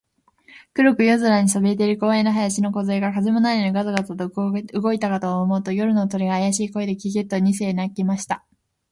黒く夜空にそびえている公園の林のこずえが、風もないのにガサガサと動いたかと思うと、夜の鳥が、あやしい声で、ゲ、ゲ、と二声鳴きました。